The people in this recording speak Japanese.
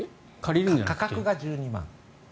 価格が１２万？